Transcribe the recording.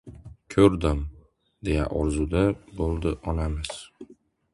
— Ko‘rdim... — deya ozurda bo‘ladi onamiz.